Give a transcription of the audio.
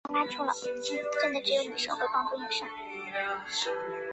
齿叶铁线莲为毛茛科铁线莲属下的一个种。